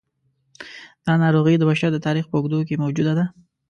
دا ناروغي د بشر د تاریخ په اوږدو کې موجوده ده.